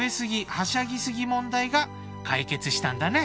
はしゃぎ過ぎ問題が解決したんだね。